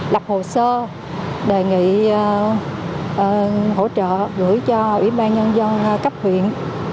lập hồ sơ đề nghị hỗ trợ gửi cho ủy ban nhân dân cấp huyện